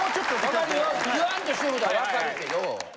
分かるよ言わんとしてることは分かるけど。